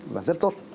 là rất tốt